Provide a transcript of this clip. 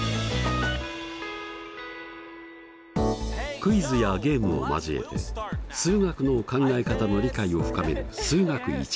クイズやゲームを交えて数学の考え方の理解を深める「数学Ⅰ」。